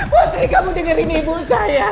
putri kamu dengerin ibu saya